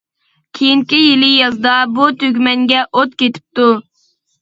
كېيىنكى يىلى يازدا بۇ تۈگمەنگە ئوت كېتىپتۇ.